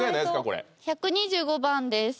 これ１２５番です